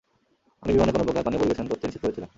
আমি বিমানে কোনো প্রকার পানীয় পরিবেশন করতে নিষেধ করেছিলাম।